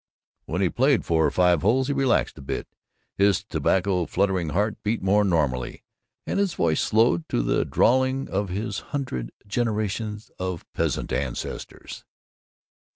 When he had played four or five holes, he relaxed a bit, his tobacco fluttering heart beat more normally, and his voice slowed to the drawling of his hundred generations of peasant ancestors.